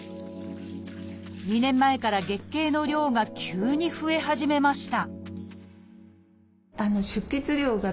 ２年前から月経の量が急に増え始めました